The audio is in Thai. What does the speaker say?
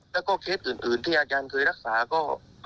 แล้วก็เคสอื่นที่อาจารย์เคยรักษาก็